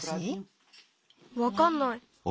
わかんない。